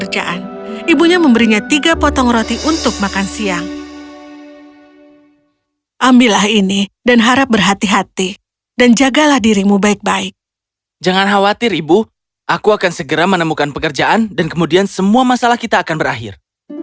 jangan khawatir ibu aku akan segera menemukan pekerjaan dan kemudian semua masalah kita akan berakhir